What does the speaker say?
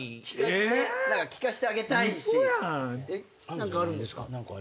何かあるんですか？